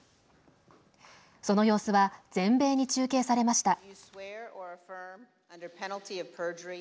その様子は全米に中継されました。